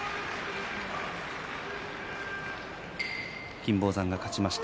金峰山が勝ちました